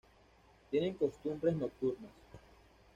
Tienen costumbres nocturnas.